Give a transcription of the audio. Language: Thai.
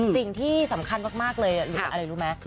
สิ่งที่สำคัญมากเลยหรืออะไรรู้ไหม